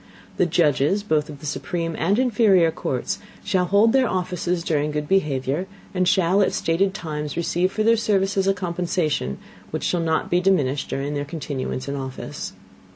The Judges, both of the supreme and inferior Courts, shall hold their Offices during good behavior, and shall, at stated Times, receive for their Services, a Compensation, which shall not be diminished during their Continuance in Office.